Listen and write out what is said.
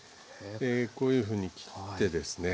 こういうふうに切ってですね。